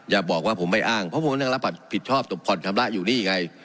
อย่าบอกว่าผมไม่อ้างเพราะผมกำลังรับผิดชอบผ่อนชำระอยู่นี่ไง